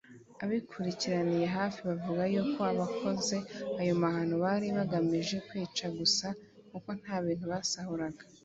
Abikurikiraniye hafi bavuga yuko abakoze ayo mahano bari bagamije kwica gusa kuko nta bintu basahuraga